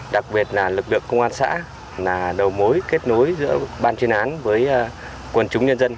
đặc biệt là lực lượng công an xã là đầu mối kết nối giữa ban chuyên án với quần chúng nhân dân